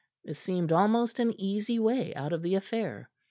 It seemed almost an easy way out of the affair.